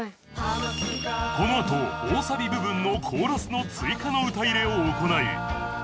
このあと大サビ部分のコーラスの追加の歌入れを行い